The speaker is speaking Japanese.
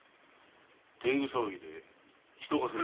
天狗騒ぎでひと稼ぎ